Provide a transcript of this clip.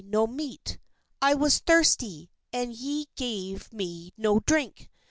'" no meat : I was thirsty, and ye gave me no drink.